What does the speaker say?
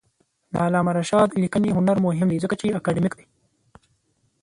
د علامه رشاد لیکنی هنر مهم دی ځکه چې اکاډمیک دی.